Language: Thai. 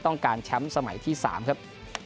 ต้องการแชมป์สมัยที่๓ครับ